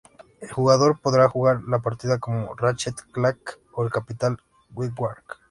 El jugador podrá jugar la partida como Ratchet, Clank o el Capitán Qwark.